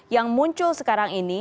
yang muncul sekarang ini